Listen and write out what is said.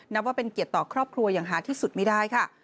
นับว่าเป็นเกียรติต่อครอบครัวอย่างหาที่สุดไม่ได้ค่ะ